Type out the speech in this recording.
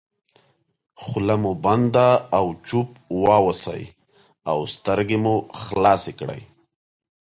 خوله مو بنده او چوپ واوسئ او سترګې مو خلاصې کړئ.